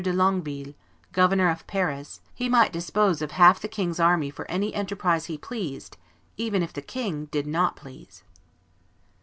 de Longueville, governor of Paris, he might dispose of half the king's army for any enterprise he pleased, even if the king did not please."